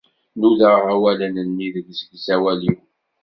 Nudaɣ awalen-nni deg usegzawal-iw.